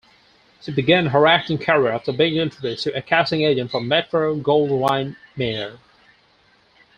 She began her acting career after being introduced to a casting agent from Metro-Goldwyn-Mayer.